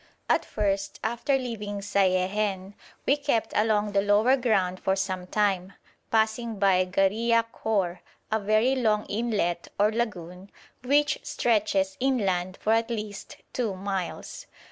At first, after leaving Saièhen, we kept along the lower ground for some time, passing by Garriah Khor, a very long inlet or lagoon which stretches inland for at least two miles.